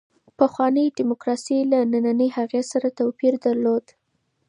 پخوانۍ دیموکراسي له نننۍ هغې سره توپیر درلود.